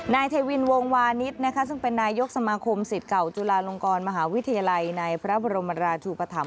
นายเทวินวงวานิสซึ่งเป็นนายกสมาคมสิทธิ์เก่าจุฬาลงกรมหาวิทยาลัยในพระบรมราชูปธรรม